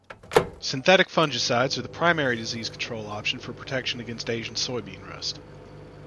Synthetic fungicides are the primary disease control option for protection against Asian soybean rust.